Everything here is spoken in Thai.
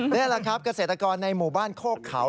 นี่แหละครับเกษตรกรในหมู่บ้านโคกเขา